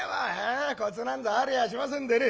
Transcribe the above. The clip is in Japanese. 「あコツなんぞありゃしませんでね